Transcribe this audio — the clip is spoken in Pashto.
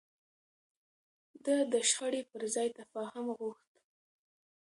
ده د شخړې پر ځای تفاهم غوښت.